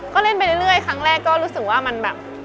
ก็เล่นไปเรื่อยครั้งแรกก็รู้สึกว่ามันแบบ